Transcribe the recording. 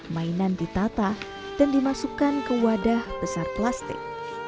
mainan ditata dan dimasukkan ke wadah besar plastik